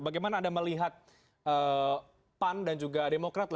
bagaimana anda melihat pan dan juga demokrat